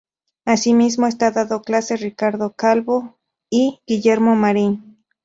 Asimismo están dando clase Ricardo Calvo y Guillermo Marín.